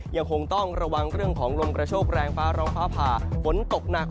ยังคงต้องระวังเรื่องของลมกระโชคแรงฟ้าร้องฟ้าผ่าฝนตกหนัก